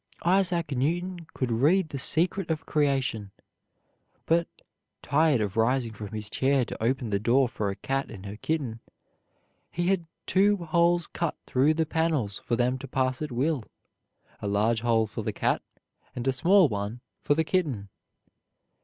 Isaac Newton could read the secret of creation; but, tired of rising from his chair to open the door for a cat and her kitten, he had two holes cut through the panels for them to pass at will, a large hole for the cat, and a small one for the kitten.